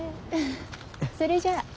それじゃあ。